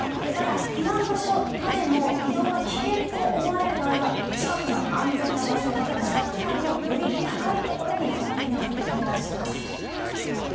非難場所までの移動が危険と思われる場合は近くの安全な場所または、自宅内のより高い所に避難をお願いします。